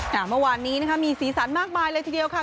เมื่อวานนี้นะคะมีสีสันมากมายเลยทีเดียวค่ะ